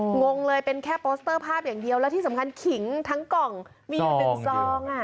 งงเลยเป็นแค่โปสเตอร์ภาพอย่างเดียวแล้วที่สำคัญขิงทั้งกล่องมีอยู่หนึ่งซองอ่ะ